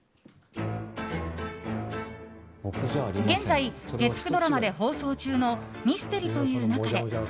現在、月９ドラマで放送中の「ミステリという勿れ」